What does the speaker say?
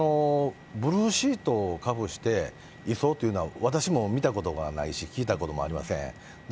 ブルーシートをかぶして移送っていうのは、私も見たことがないし、聞いたこともありません。